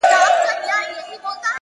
ژوند د انتخابونو لړۍ ده’